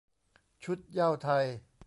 ชุดเหย้าไทย